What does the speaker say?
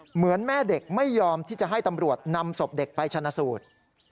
เหมือนแม่เด็กไม่ยอมที่จะให้ตำรวจนำศพเด็กไปชนะสูตร